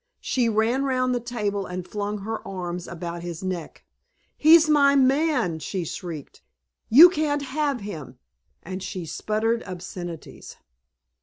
She ran round the table and flung her arms about his neck. "He's my man!" she shrieked. "You can't have him." And she sputtered obscenities.